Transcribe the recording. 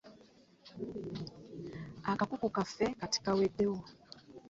Akakuku kaffe kati kaweddewo.